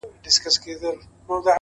پرون مي ستا په ياد كي شپه رڼه كړه’